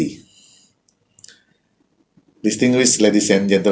puan puan dan puan puan yang terkenal